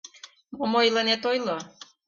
— Мом ойлынет, ойло.